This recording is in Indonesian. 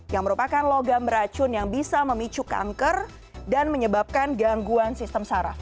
yang merupakan logam beracun yang bisa memicu kanker dan menyebabkan gangguan sistem saraf